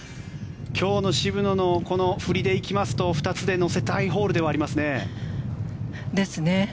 今日の渋野の振りで行きますと２つで乗せたいホールではありますね。ですね。